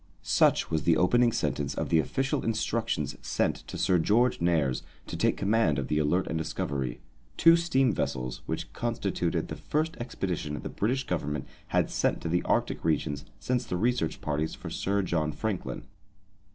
Such was the opening sentence of the official instructions sent to Sir George Nares to take command of the Alert and Discovery, two steam vessels, which constituted the first expedition the British Government had sent to the Arctic regions since the search parties for Sir John Franklin.